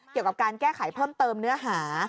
เกี่ยวกับการแก้ไขเพิ่มเติมเนื้อหา